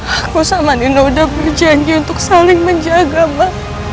aku sama nino udah berjanji untuk saling menjaga ma